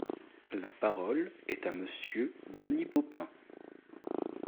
La parole est à Monsieur Denis Baupin.